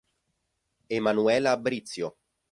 Emanuela Brizio